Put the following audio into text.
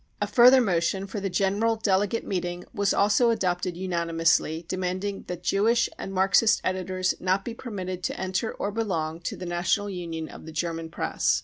A further motion for the general delegate meeting was also adopted unanimously, demanding that Jewish and Marxist editors be not permitted to enter or belong to the National Union of the German Press.